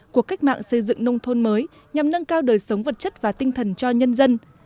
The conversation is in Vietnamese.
cuộc cách mạng xây dựng nông thôn mới nhằm nâng cao đời sống vật chất và tinh thần cho nhân dân